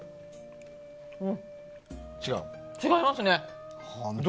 違いますね。